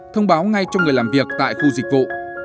thông báo ngay cho người làm việc tại khu dịch vụ